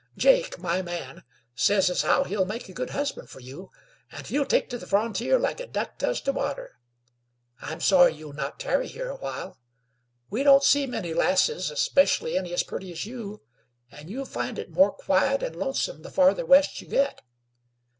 Jake, my man, says as how he'll make a good husband for you, and he'll take to the frontier like a duck does to water. I'm sorry you'll not tarry here awhile. We don't see many lasses, especially any as pretty as you, and you'll find it more quiet and lonesome the farther West you get.